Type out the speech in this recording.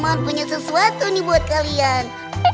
mohon punya sesuatu nih buat kalian